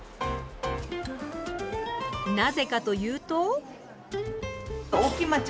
なぜかというと。